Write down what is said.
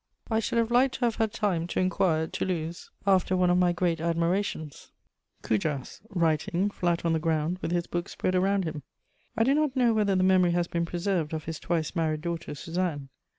I should have liked to have had time to inquire at Toulouse after one of my great admirations, Cujas, writing, flat on the ground, with his books spread around him. I do not know whether the memory has been preserved of his twice married daughter Suzanne.